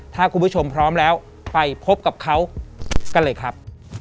ถ้าคุณผู้ชมพร้อมแล้วไปพบกับเขากันเลยครับ